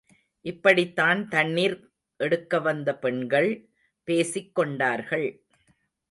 இப்படித்தான் தண்ணிர் எடுக்க வந்த பெண்கள் பேசிக் கொண்டார்கள்.